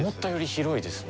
広いですね。